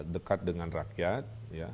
dekat dengan rakyat